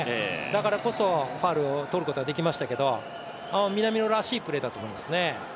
だからこそファウルをとることができましたけど、南野らしいプレーだと思いますけどね。